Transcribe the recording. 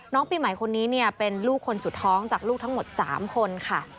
ปีใหม่คนนี้เป็นลูกคนสุดท้องจากลูกทั้งหมด๓คนค่ะ